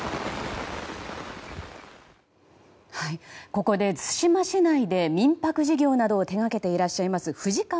ここで対馬市内で民泊事業などを手掛けていらっしゃいます藤川